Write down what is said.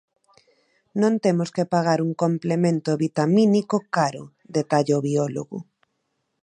Non temos que pagar un complemento vitamínico caro, detalla o biólogo.